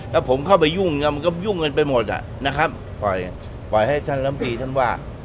ถ้าผมเข้าไปยุ่งมันก็ยุ่งกันไปหมดอ่ะนะครับปล่อยปล่อยให้ท่านลำตีท่านว่า